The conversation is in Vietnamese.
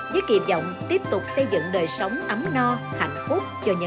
với kỳ vọng tiếp tục xây dựng đời sống ấm no hạnh phúc